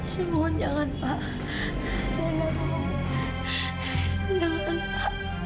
saya mohon jangan pak jangan pak